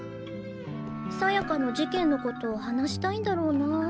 さやかの事件のこと話したいんだろうな。